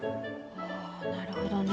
あなるほどね。